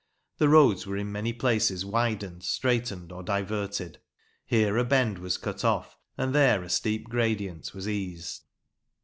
The roads were in many places widened, straightened, or diverted. Here a bend was cut off, and there a steep gradient was eased.